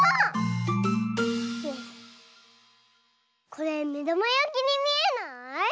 これめだまやきにみえない？